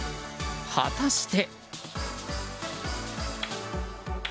果たして。